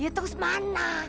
ya terus mana